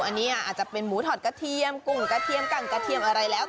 อันนี้อาจจะเป็นหมูถอดกระเทียมกุ่งกระเทียมกั่งกระเทียมอะไรแล้ว